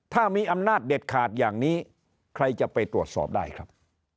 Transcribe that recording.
ถ้ามีอำนาจเด็ดขาดอย่างนี้ใครจะไปตรวจสอบได้ครับ